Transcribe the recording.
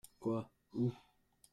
Quoi ? Où ?